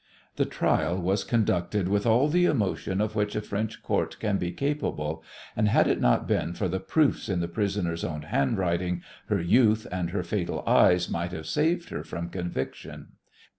The trial was conducted with all the emotion of which a French Court can be capable, and had it not been for the proofs in the prisoner's own handwriting her youth and her "fatal eyes" might have saved her from conviction.